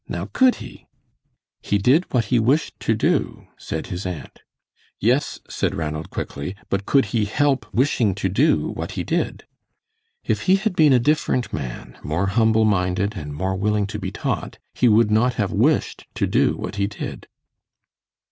Now, could he?" "He did what he wished to do," said his aunt. "Yes," said Ranald, quickly, "but could he help wishing to do what he did?" "If he had been a different man, more humble minded, and more willing to be taught, he would not have wished to do what he did."